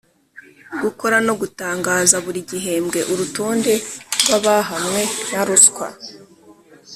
gukora no gutangaza buri gihembwe urutonde rw’abahamwe na ruswa